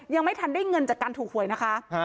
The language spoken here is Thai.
ยังไม่ทันได้เงินจากการถูกหวยนะคะ